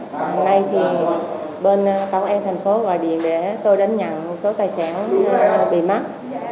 hôm nay thì bên công an thành phố gọi điện để tôi đến nhận số tài sản bị mất